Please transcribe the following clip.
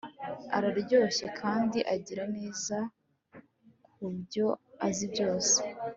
araryoshye kandi agira neza kubyo azi byose